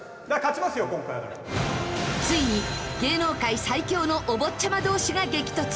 ついに芸能界最強のおぼっちゃま同士が激突。